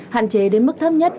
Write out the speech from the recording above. hạn chế đến mức thấp nhất